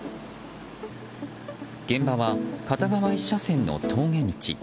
現場は、片側１車線の峠道。